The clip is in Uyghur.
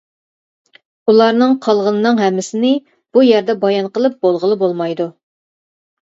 ئۇلارنىڭ قالغىنىنىڭ ھەممىسىنى بۇ يەردە بايان قىلىپ بولغىلى بولمايدۇ.